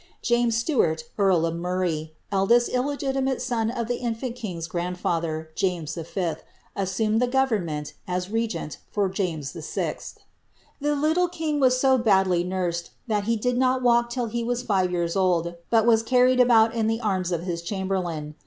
James Stuart, earl of Murray, eldest illegitimate son of the infrnt king's grandfather, James V., assumed the government, as regent lor James VI. The little king was so badly nursed, that he did not walk till he was Ave years old, but was carried about in tlie arms of his chamberlain.